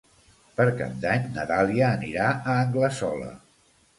Per Cap d'Any na Dàlia anirà a Anglesola.